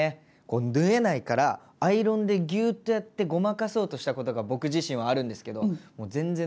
縫えないからアイロンでぎゅーっとやってごまかそうとしたことが僕自身はあるんですけどもう全然駄目でした。